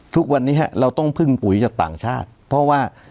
ทุกวันนี้เราต้องพึ่งปุ๋ยจากต่างชาติเพราะว่า